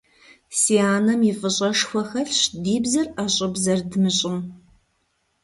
Си анэм и фӀыщӀэшхуэ хэлъщ ди бзэр ӀэщӀыб зэрыдмыщӀым.